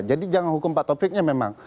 jadi jangan hukum pak toviknya memang